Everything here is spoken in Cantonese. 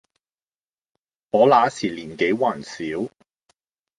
我那時年紀還小，